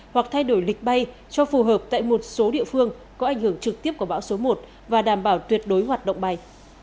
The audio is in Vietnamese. hoặc thay đổi lịch bay cho phù hợp tại một số địa phương có ảnh hưởng trực tiếp của bão số một và đảm bảo tuyệt đối hoạt động bay